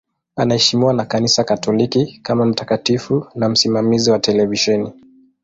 Anaheshimiwa na Kanisa Katoliki kama mtakatifu na msimamizi wa televisheni.